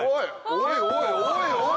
おいおいおいおい！